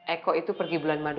eko itu pergi bulan maret